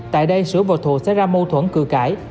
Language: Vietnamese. tại đây sửu và thụ sẽ ra mâu thuẫn cửa cãi